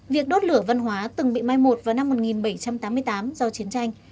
việc đốt lửa văn hóa từng bị mai một vào năm một nghìn bảy trăm tám mươi tám do chiến tranh